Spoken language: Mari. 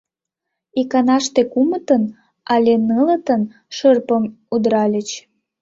Иканаште кумытын але нылытын шырпым удыральыч.